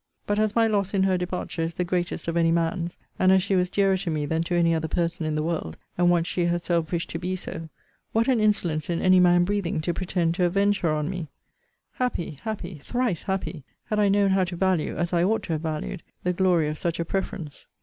But as my loss in her departure is the greatest of any man's, and as she was dearer to me than to any other person in the world, and once she herself wished to be so, what an insolence in any man breathing to pretend to avenge her on me! Happy! happy! thrice happy! had I known how to value, as I ought to have valued, the glory of such a preference!